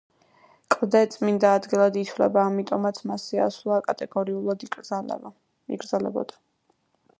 კლდე წმიდა ადგილად ითვლებოდა, ამიტომ მასზე ასვლა კატეგორიულად იკრძალებოდა.